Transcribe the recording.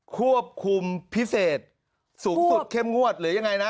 ควบคุมพิเศษสูงสุดเข้มงวดหรือยังไงนะ